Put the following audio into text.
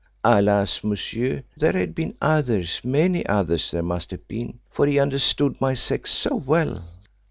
Alas, monsieur, there had been others many others there must have been, for he understood my sex so well.